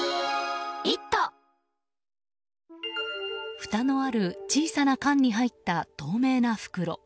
ふたのある小さな缶に入った透明な袋。